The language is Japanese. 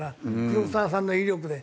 黒澤さんの威力で。